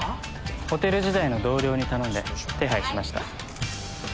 ホテル時代の同僚に頼んで手配しました。